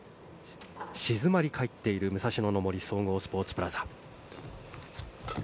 静まり返っている武蔵野の森総合スポーツプラザ。